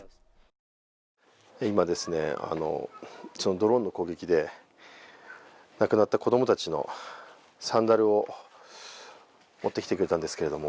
ドローンの攻撃で、亡くなった子供たちのサンダルを持ってきてくれたんですけれども。